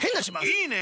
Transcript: いいねえ。